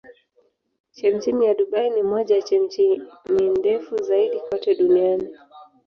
Chemchemi ya Dubai ni moja ya chemchemi ndefu zaidi kote duniani.